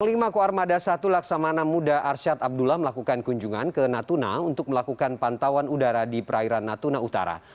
panglima koarmada satu laksamana muda arsyad abdullah melakukan kunjungan ke natuna untuk melakukan pantauan udara di perairan natuna utara